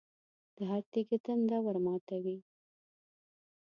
د هر تږي تنده ورماتوي.